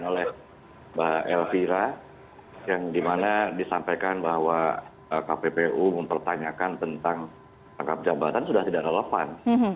oleh mbak elvira yang dimana disampaikan bahwa kppu mempertanyakan tentang rangkap jabatan sudah tidak relevan